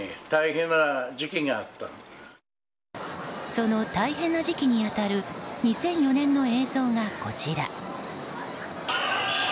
その大変な時期に当たる２００４年の映像がこちら。